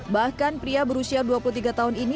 bahkan pria berusia dua puluh tiga tahun ini